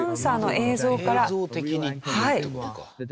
映像的にって事か。